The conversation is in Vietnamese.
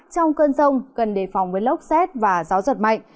trong cơn rông cần đề phòng với lốc xét và gió giật mạnh